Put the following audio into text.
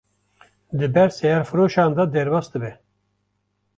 di ber seyarfiroşan re derbas dibe